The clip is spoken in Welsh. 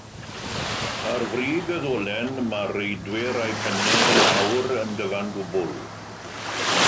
Ar frig y ddolen, mae'r reidwyr â'u pennau i lawr yn gyfan gwbl.